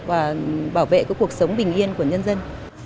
và bảo vệ cái cuộc sống bình yên của nhân dân